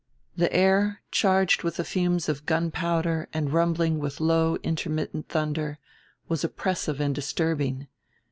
The air, charged with the fumes of gunpowder and rumbling with low intermittent thunder, was oppressive and disturbing.